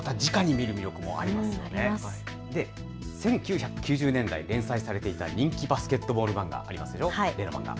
１９９０年代、連載されていた人気バスケットボール漫画、ありますでしょ？